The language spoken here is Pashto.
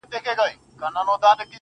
هم عقل وينم، هم هوا وينم، هم ساه وينم_